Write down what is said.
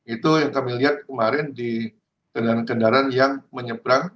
itu yang kami lihat kemarin di kendaraan kendaraan yang menyeberang